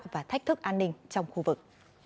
và thách thức an ninh trong khu vực